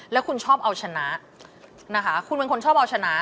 แล้วคุณชอบเอาชนะนะคะคุณเป็นคนชอบเอาชนะ